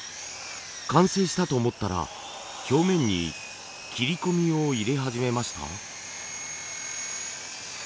完成したと思ったら表面に切り込みを入れ始めました？